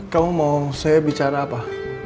kamu mau saya bicara apa